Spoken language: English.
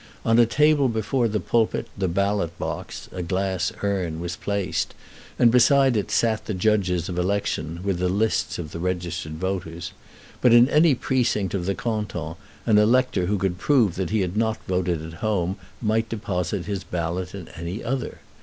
On a table before the pulpit the ballot box a glass urn was placed; and beside it sat the judges of election, with lists of the registered voters. But in any precinct of the canton an elector who could prove that he had not voted at home might deposit his ballot in any other.